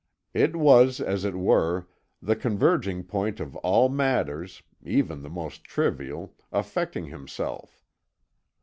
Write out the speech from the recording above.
It was, as it were, the converging point of all matters, even the most trivial, affecting himself.